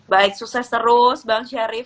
baik sukses terus bang syarif